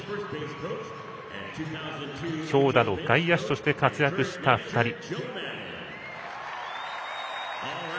強打の外野手として活躍した２人。